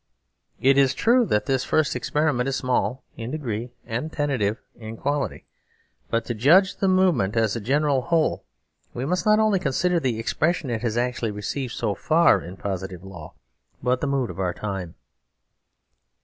It is true 168 SERVILE STATE HAS BEGUN that this first experiment is small in degree and ten tative in quality ; but to judge the movement as a general whole we must not only consider the expres sion it has actually received so far in positive law, but the mood of our time.